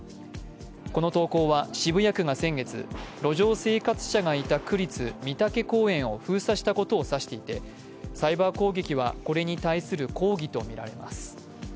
この投稿は渋谷区が先月、路上生活者がいた区立美竹公園を封鎖したことを指していてサイバー攻撃はこれに対する抗議とみられます。